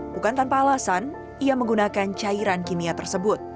bukan tanpa alasan ia menggunakan cairan kimia tersebut